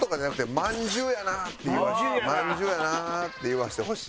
「まんじゅうやな」って言わせてほしい。